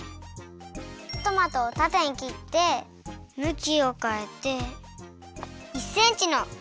トマトをたてに切ってむきをかえて１センチのかく切りにします。